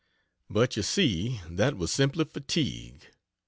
But you see, that was simply fatigue.